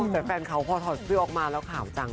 แต่แฟนเขาพอถอดเสื้อออกมาแล้วขาวจัง